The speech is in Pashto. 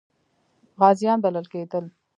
غازیان بلل کېدل.